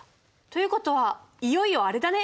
という事はいよいよあれだね